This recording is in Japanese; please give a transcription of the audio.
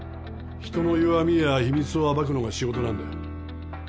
人の弱みや秘密を暴くのが仕事なんだよ。